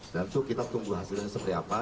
dan itu kita tunggu hasilnya seperti apa